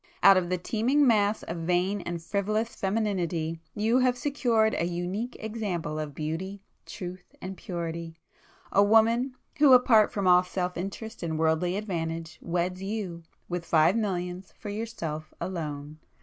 Out of the teeming mass of vain and frivolous femininity, you have secured a unique example of beauty, truth and purity,—a woman, who apart from all self interest and worldly advantage, weds you, with five millions, for yourself alone!